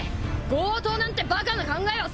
強盗なんてバカな考えは捨てろ！